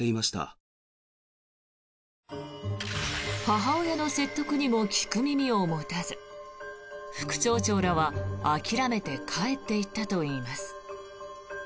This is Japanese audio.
母親の説得にも聞く耳を持たず副町長らは諦めて帰っていったといいます。